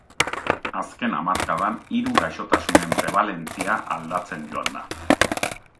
Azken hamarkadan hiru gaixotasunen prebalentzia aldatzen joan da.